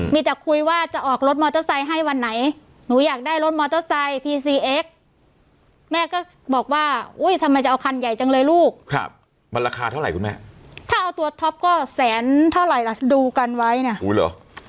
มันราคาเท่าไรคะคุณแม่แถมคุณแม่